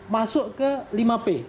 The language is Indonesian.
masuk ke lima p